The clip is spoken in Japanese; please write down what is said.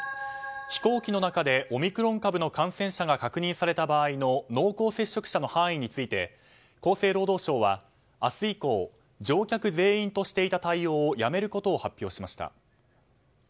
飛行機の中でオミクロン株の感染者が確認された場合の濃厚接触者の範囲について厚生労働省は明日以降乗客全員としていた対応をやめることを発表しました。